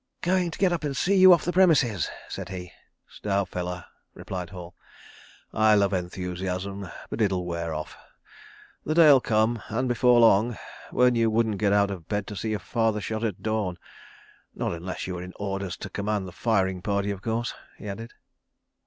"Going to get up and see you off the premises," said he. "Stout fella," replied Hall. "I love enthusiasm—but it'll wear off. ... The day'll come, and before long, when you wouldn't get out of bed to see your father shot at dawn. ... Not unless you were in orders to command the firing party, of course," he added.